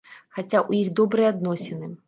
Хаця ў іх добрыя адносіны.